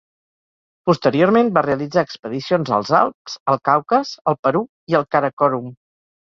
Posteriorment va realitzar expedicions als Alps, el Caucas, el Perú i al Karakorum.